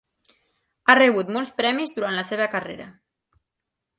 Ha rebut molts premis durant la seva carrera.